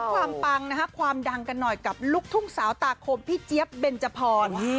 เสริมความดังกันหน่อยกับลูกทุ่งสาวตาโบพี่จี้๊วเป็นจภร